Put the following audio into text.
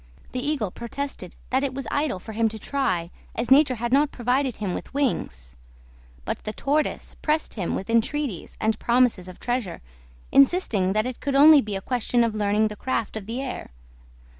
The Eagle protested that it was idle for him to try, as nature had not provided him with wings; but the Tortoise pressed him with entreaties and promises of treasure, insisting that it could only be a question of learning the craft of the air.